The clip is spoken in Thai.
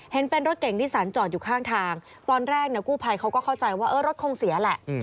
เห็นเป็นรถเก่งนิสันจอดอยู่ข้างทางตอนแรกเนี่ยกู้ภัยเขาก็เข้าใจว่ารถคงเสียแหละ